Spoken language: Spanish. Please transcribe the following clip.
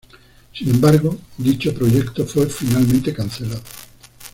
Sin embargo, dicho proyecto fue finalmente cancelado.